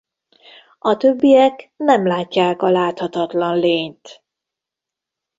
A többiek nem látják a láthatatlan lényt.